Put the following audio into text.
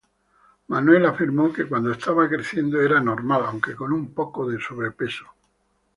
Manuel afirmó que cuando estaba creciendo era normal, aunque con un poco de sobrepeso.